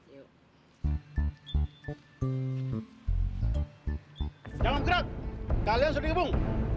jangan bergerak kalian sudah dikepung